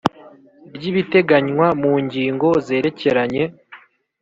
ry ibiteganywa mu ngingo zerekeranye